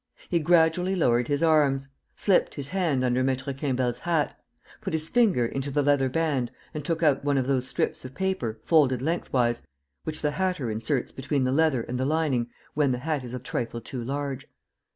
He gradually lowered his arms, slipped his hand under Maître Quimbel's hat, put his finger into the leather band and took out one of those strips of paper, folded lengthwise, which the hatter inserts between the leather and the lining when the hat is a trifle too large.